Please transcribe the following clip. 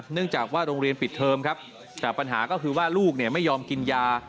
เนื่องจากว่าโรงเรียนปิดเทอมครับแต่ปัญหาก็คือว่าลูกไม่ยอมกินยา